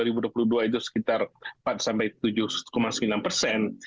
itu sekitar empat sampai tujuh sembilan persen